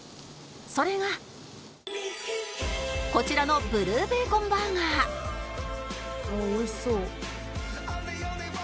それがこちらのブルー・ベーコンバーガーあっ美味しそう。